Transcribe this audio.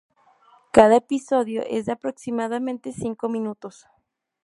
Cada episodio es de aproximadamente cinco minutos.